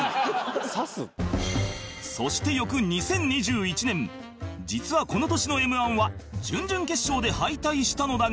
そして翌２０２１年実はこの年の Ｍ−１ は準々決勝で敗退したのだが